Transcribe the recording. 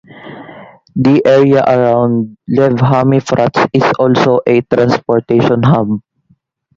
The area around Lev HaMifratz is also a transportation hub.